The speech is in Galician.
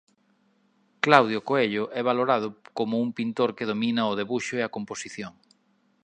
Claudio Coello é valorado como un pintor que domina o debuxo e a composición.